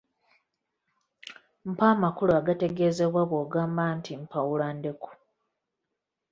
Mpa amakulu agategeezebwa bw’ogamba nti mpawula ndeku.